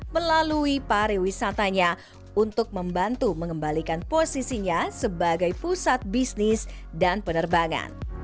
melalui pariwisatanya untuk membantu mengembalikan posisinya sebagai pusat bisnis dan penerbangan